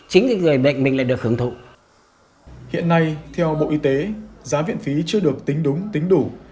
hiện nay theo bộ y tế giá viện phí chưa được tính đúng tính đủ